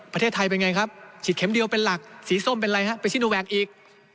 ประเทศไทยเป็นไงครับฉีดเข็มเดียวเป็นหลักสีส้มเป็นอะไรฮะไปซิโนแวคอีก